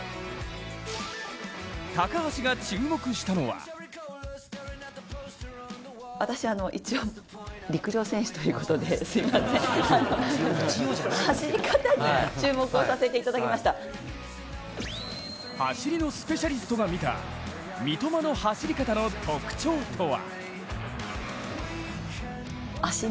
高橋が注目したのは走りのスペシャリストが見た三笘の走り方の特徴とは？